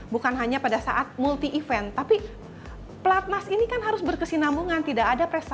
bukan hanya pada saat multi event tapi pelatnas ini kan harus berkesinambungan tidak ada prestasi